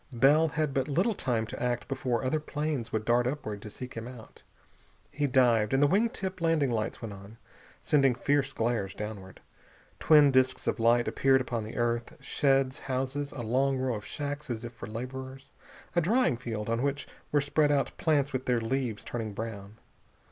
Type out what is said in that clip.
Bell had but little time to act before other planes would dart upward to seek him out. He dived, and the wing tip landing lights went on, sending fierce glares downward. Twin disks of light appeared upon the earth. Sheds, houses, a long row of shacks as if for laborers. A drying field, on which were spread out plants with their leaves turning brown.